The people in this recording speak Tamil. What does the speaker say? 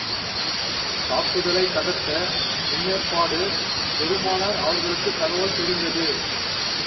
தாக்குதலைத் தகர்க்க முன்னேற்பாடு பெருமானார் அவர்களுக்குத் தகவல் தெரிந்தது.